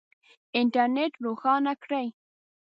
انټرنېټ روښانه کړئ